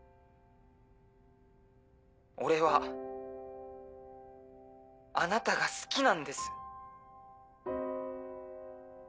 俺はあなたが好きなんです。